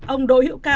ông đỗ hiệu ca